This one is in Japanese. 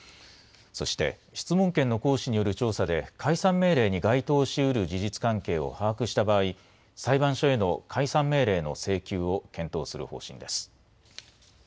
そして質問権の行使による調査で解散命令に該当しうる事実関係を把握した場合、裁判所への解散命令の請求を検討する方針です。